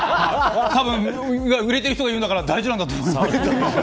売れてる人が言うんだから大事だと思います。